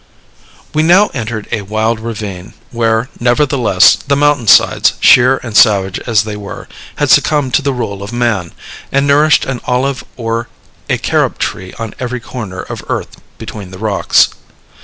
We now entered a wild ravine, where, nevertheless, the mountain sides, sheer and savage as they were, had succumbed to the rule of man, and nourished an olive or a carob tree on every corner of earth between the rocks.